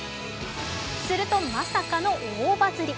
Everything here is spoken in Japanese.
するとまさかの大バズり。